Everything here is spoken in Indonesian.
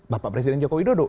bapak presiden joko widodo